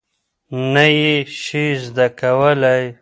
نه یې شې زده کولی؟